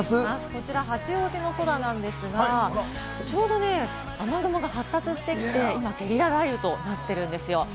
こちら八王子の空なんですが、ちょうど雨雲が発達してきて今、ゲリラ雷雨となっているんですよ。